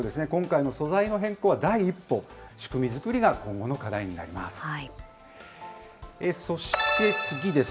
今回の素材の変更は第一歩、仕組みづくりが今後の課題になります。